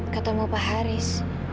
ketemu pak haris